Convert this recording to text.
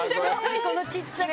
この小っちゃく。